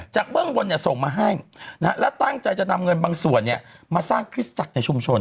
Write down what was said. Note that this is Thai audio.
จากเบื้องบนส่งมาให้และตั้งใจจะนำเงินมาสร้างกิจจักรในชุมชน